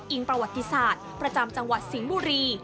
ประวัติศาสตร์ประจำจังหวัดสิงห์บุรี